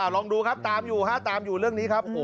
ลองดูครับตามอยู่ฮะตามอยู่เรื่องนี้ครับ